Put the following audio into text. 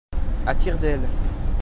À tire d'aile.